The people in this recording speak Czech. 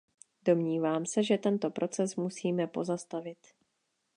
Domnívám se, že tento proces musíme pozastavit.